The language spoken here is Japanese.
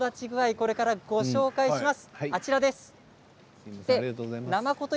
これからご紹介します。